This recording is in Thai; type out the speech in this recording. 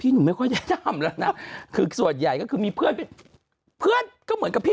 หนูยังไม่ถึงเวลาสลบไง